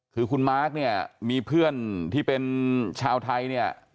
คือคุณมาร์คเนี่ยมีเพื่อนที่เป็นชาวไทยเนี่ย